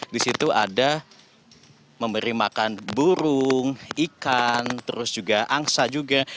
di situ ada memberi makan burung ikan terus juga angsa juga